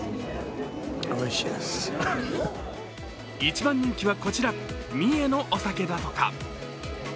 一番人気はこちら三重のお酒だとか。